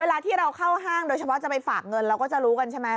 เวลาที่เราเข้าห้างโดยเฉพาะจะไปฝากเงินเราก็จะรู้กันใช่ไหม